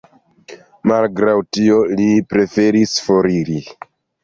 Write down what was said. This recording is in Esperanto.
Malgraŭ tio, li preferis foriri.